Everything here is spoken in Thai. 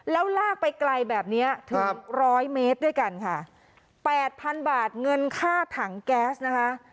แล้วลากไปไกลแบบเนี้ยถึงร้อยเมตรด้วยกันค่ะแปดพันบาทเงินค่าถังแก๊สนะคะ